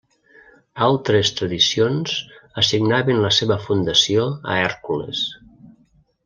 Altres tradicions assignaven la seva fundació a Hèrcules.